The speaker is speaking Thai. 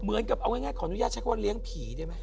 เหมือนกับเอาง่ายขออนุญาตใช้คำว่าเลี้ยงผีได้ไหม